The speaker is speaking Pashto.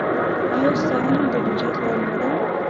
دا ستاینه د نجات لار نه ده.